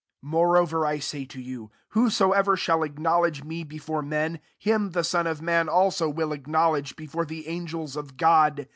8 " Moreover I say to you, Whosoever shall acknowledge me before men, him the Son of man also, will acknowledge be fore the angels of God.